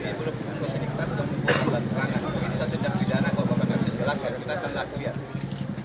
ini satu indag bidana kalau bapak nggak bisa jelasin kita akan lihat